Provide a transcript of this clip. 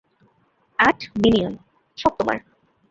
আট মিলিয়ন, সব তোমার।